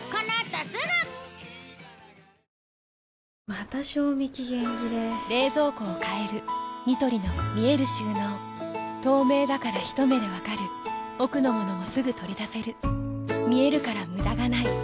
また賞味期限切れ冷蔵庫を変えるニトリの見える収納透明だからひと目で分かる奥の物もすぐ取り出せる見えるから無駄がないよし。